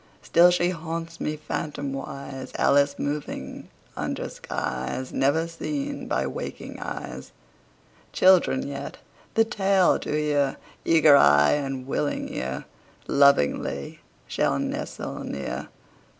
Still she haunts me, phantomwise, Alice moving under skies Never seen by waking eyes. Children yet, the tale to hear, Eager eye and willing ear, Lovingly shall nestle near.